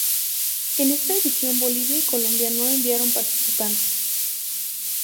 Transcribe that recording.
En esta edición Bolivia y Colombia no enviaron participantes.